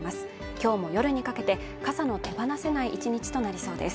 今日も夜にかけて傘の手放せない１日となりそうです。